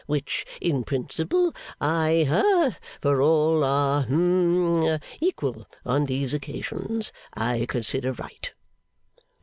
Which, in principle, I ha for all are hum equal on these occasions I consider right.